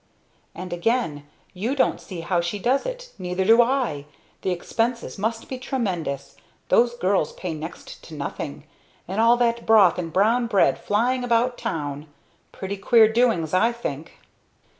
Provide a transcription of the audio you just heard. "And again; You don't see how she does it? Neither do I! The expenses must be tremendous those girls pay next to nothing, and all that broth and brown bread flying about town! Pretty queer doings, I think!"